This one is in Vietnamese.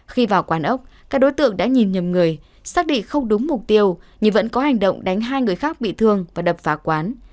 khi vào quán ốc các đối tượng đã nhìn nhầm người xác định không đúng mục tiêu nhưng vẫn có hành động đánh hai người khác bị thương và đập phá quán